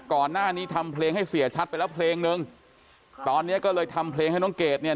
ก่อนหน้านี้ทำเพลงให้เสียชัดไปแล้วเพลงนึงตอนเนี้ยก็เลยทำเพลงให้น้องเกดเนี่ย